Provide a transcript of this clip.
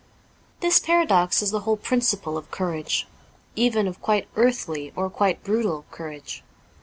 This paradox is the whole principle of courage ; even of quite earthly or quite brutal courage.